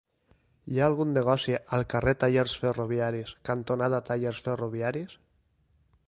Hi ha algun negoci al carrer Tallers Ferroviaris cantonada Tallers Ferroviaris?